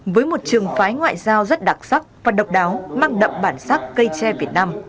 với một trường phái ngoại giao rất đặc sắc và độc đáo mang đậm bản sắc cây tre việt nam